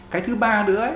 cái thứ ba nữa